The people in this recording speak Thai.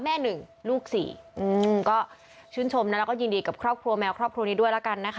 หนึ่งลูกสี่อืมก็ชื่นชมนะแล้วก็ยินดีกับครอบครัวแมวครอบครัวนี้ด้วยแล้วกันนะคะ